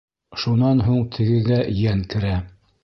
Шунан һуң тегегә йән керә.